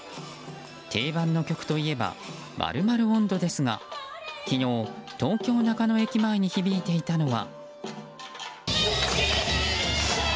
定番の曲といえば○○音頭ですが昨日、東京・中野駅前に響いていたのは。